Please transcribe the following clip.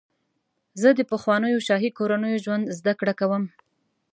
زه د پخوانیو شاهي کورنیو ژوند زدهکړه کوم.